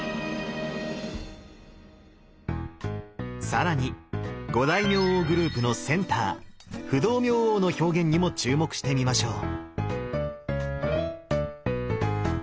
更に五大明王グループのセンター不動明王の表現にも注目してみましょう。